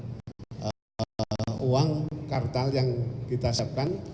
ada uang kartal yang kita siapkan